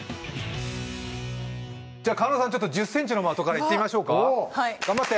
じゃ狩野さん１０ｃｍの的からいってみましょうか頑張って！